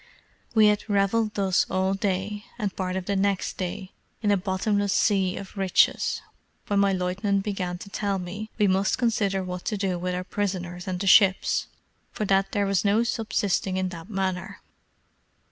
We had revelled thus all day, and part of the next day, in a bottomless sea of riches, when my lieutenant began to tell me, we must consider what to do with our prisoners and the ships, for that there was no subsisting in that manner.